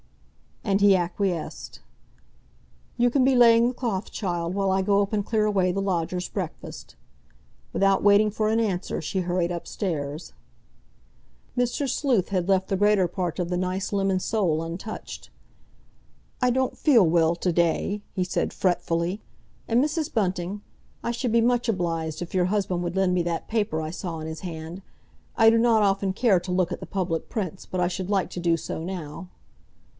And he acquiesced. "You can be laying the cloth, child, while I go up and clear away the lodger's breakfast." Without waiting for an answer, she hurried upstairs. Mr. Sleuth had left the greater part of the nice lemon sole untouched. "I don't feel well to day," he said fretfully. "And, Mrs. Bunting? I should be much obliged if your husband would lend me that paper I saw in his hand. I do not often care to look at the public prints, but I should like to do so now."